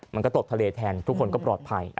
มันก็ตกทะเลแทนทุกคนก็ปลอดภัย